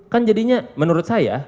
kan jadinya menurut saya